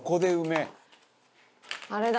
あれだ！